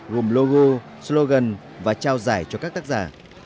gồm logo slogan và trao giải cho các tác giả